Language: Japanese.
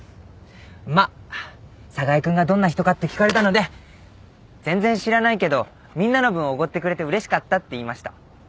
まっ寒河江君がどんな人かって聞かれたので全然知らないけどみんなの分おごってくれてうれしかったって言いました。